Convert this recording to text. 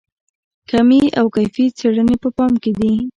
کمي او کیفي څېړنې په پام کې دي.